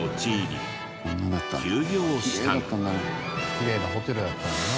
きれいなホテルだったんだな。